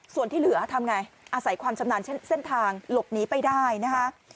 ส่วนที่เหลือทำไงอาศัยความชำนาญเส้นทางหลบหนีไปได้นะคะ